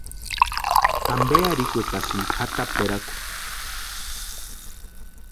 Ampe arhikwekasïnki kʼataperakwa.